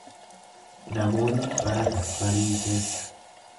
Namoonni barata barii keessa.